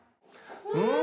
うん。